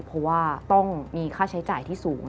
เพราะว่าต้องมีค่าใช้จ่ายที่สูง